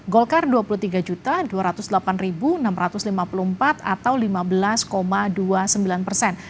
golkar dua puluh tiga dua ratus delapan enam ratus lima puluh empat atau lima belas dua puluh sembilan persen